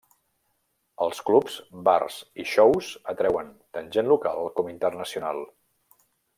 Els clubs, bars i shows atreuen tant gent local com internacional.